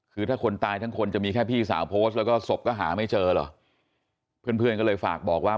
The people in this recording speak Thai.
คือถ้าคนตายทั้งคนจะมีแค่พี่สาวโพสต์แล้วก็ศพก็หาไม่เจอเหรอเพื่อนเพื่อนก็เลยฝากบอกว่า